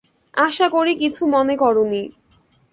আশা করি কিছু মনে করোনি।